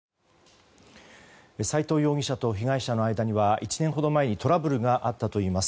斎藤容疑者と被害者の間には１年ほど前にトラブルがあったといいます。